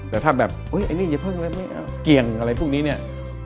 แต่ถ้าแบบเกี่ยงอะไรพวกนี้เนี่ย